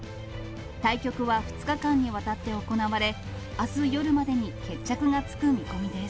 対局は２日間にわたって行われ、あす夜までに決着がつく見込みです。